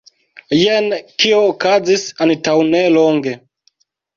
Jen kio okazis antaŭnelonge.